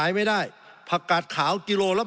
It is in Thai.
สงบจนจะตายหมดแล้วครับ